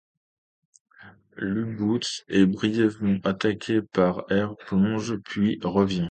L'U-boot est brièvement attaqué par air, plonge puis revient.